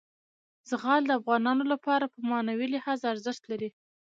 زغال د افغانانو لپاره په معنوي لحاظ ارزښت لري.